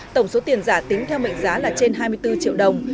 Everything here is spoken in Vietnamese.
tổng số tiền giả tính theo mệnh giá là trên hai mươi bốn triệu đồng